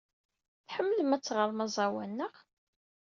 Tḥemmlem ad teɣrem aẓawan, naɣ?